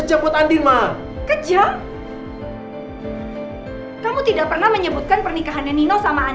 yang sudah kita ceritakan